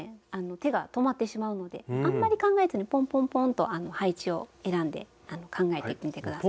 手が止まってしまうのであんまり考えずにポンポンポンと配置を選んで考えてみて下さいね。